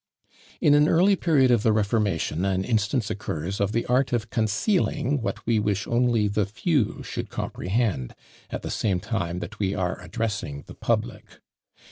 In an early period of the Reformation, an instance occurs of the art of concealing what we wish only the few should comprehend, at the same time that we are addressing the public.